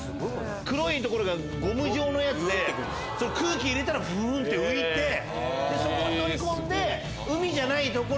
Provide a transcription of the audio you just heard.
黒い所がゴム状で空気入れたらフッて浮いてそこに乗り込んで海じゃない所